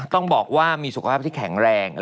ต้องบอกว่ามีสุขภาพที่แข็งแรง